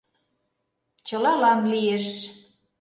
— Чылалан лиеш...